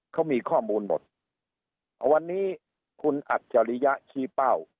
เขามีข้อมูลหมดวันนี้คุณอัจฉริยะชี้เป้า